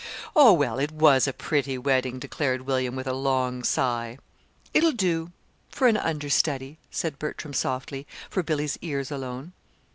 "Oh, well, it was a pretty wedding," declared William, with a long sigh. "It'll do for an understudy," said Bertram softly, for Billy's ears alone.